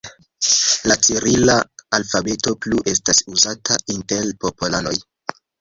La cirila alfabeto plu estas uzata inter popolanoj.